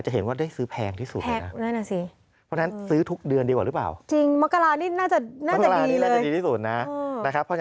จะเห็นว่าได้ซื้อแพงที่สุดเลยนะแพงนั่นแหละสิ